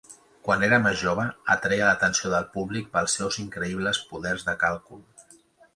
Quan era més jove, atreia l'atenció del públic pels seus increïbles poders de càlcul.